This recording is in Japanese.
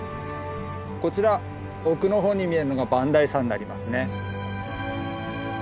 こちら奥の方に見えるのが磐梯山になりますね。